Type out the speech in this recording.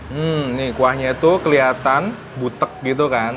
hmm ini kuahnya tuh kelihatan butek gitu kan